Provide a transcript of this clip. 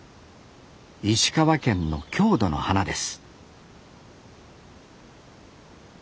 石川県の郷土の花です